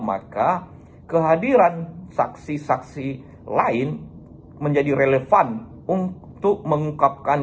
maka kehadiran saksi saksi lain menjadi relevan untuk mengungkapkan